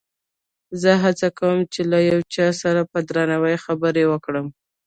زه هڅه کوم چې له هر چا سره په درناوي خبرې وکړم.